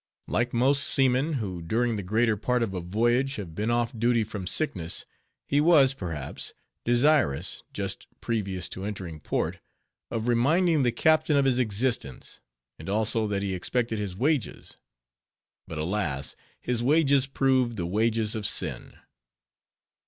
Like most seamen, who during the greater part of a voyage, have been off duty from sickness, he was, perhaps, desirous, just previous to entering port, of reminding the captain of his existence, and also that he expected his wages; but, alas! his wages proved the wages of sin.